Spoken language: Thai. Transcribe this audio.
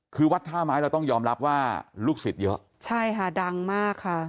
คือวัดท่าไม้เราต้องยอมรับว่าลูกศิษย์เยอะใช่ค่ะดังมากค่ะ